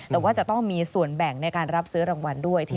แต่ว่าจะต้องมีส่วนแบ่งในการรับซื้อรางวัลด้วย